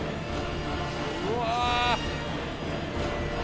うわ。